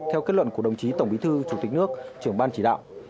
theo kết luận của đồng chí tổng bí thư chủ tịch nước trưởng ban chỉ đạo